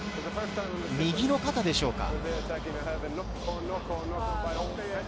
右の肩でしょうか？